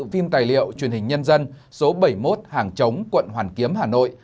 phim tài liệu truyền hình nhân dân số bảy mươi một hàng chống quận hoàn kiếm hà nội